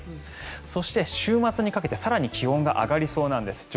そして、週末にかけて更に気温が上がりそうなんです。